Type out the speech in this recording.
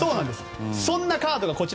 そんなカードがこちら。